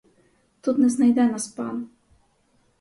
Тут не знайде нас пан.